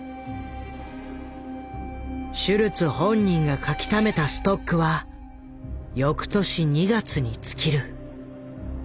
シュルツ本人が描きためたストックは翌年２月に尽きる。